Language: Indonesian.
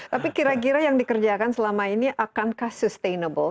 tapi kira kira yang dikerjakan selama ini akankah sustainable